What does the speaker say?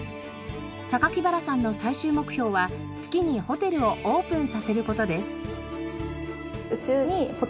原さんの最終目標は月にホテルをオープンさせる事です。